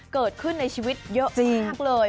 เกิดขึ้นในชีวิตเยอะมากเลย